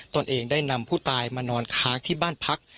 ตนเองได้นำผู้ตายมานอนค้างที่บ้านพัก